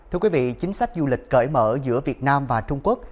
thưa quý vị chính sách du lịch cởi mở giữa việt nam và trung quốc